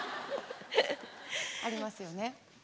ありますよね。